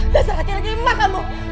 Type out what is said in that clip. dasar kira kira imak kamu